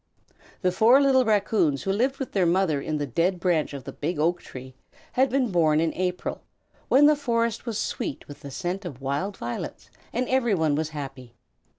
The four little Raccoons, who lived with their mother in the dead branch of the big oak tree, had been born in April, when the forest was sweet with the scent of wild violets and every one was happy.